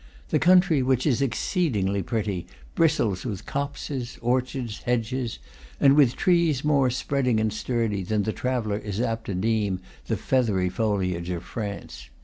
The country, which is exceedingly pretty, bristles with copses, orchards, hedges, and with trees more spread ing and sturdy than the traveller is apt to deem the feathery foliage of France.